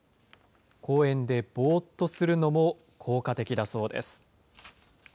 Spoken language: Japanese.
公園でぼーっとするのも効果的だそうです。